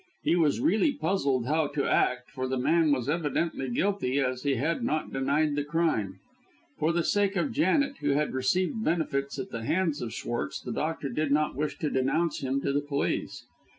He was really puzzled how to act, for the man was evidently guilty, as he had not denied the crime. For the sake of Janet, who had received benefits at the hands of Schwartz, the doctor did not wish to denounce him to the police.